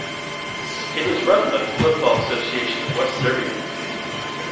It is run by the Football Association of West Serbia.